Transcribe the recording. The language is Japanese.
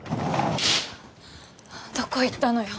どこ行ったのよ。